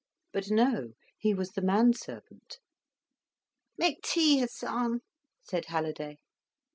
But no, he was the man servant. "Make tea, Hasan," said Halliday.